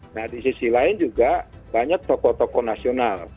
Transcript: nah di sisi lain juga banyak tokoh tokoh nasional